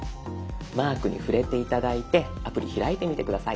マークに触れて頂いてアプリ開いてみて下さい。